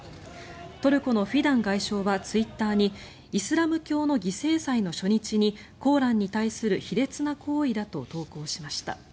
トルコのフィダン外相はツイッターにイスラム教の犠牲祭の初日にコーランに対する卑劣な行為だと投稿しました。